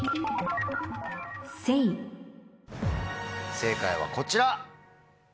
正解はこちら。